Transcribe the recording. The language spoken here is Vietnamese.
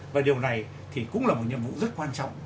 và điều này thì cũng là một nhiệm vụ rất quan trọng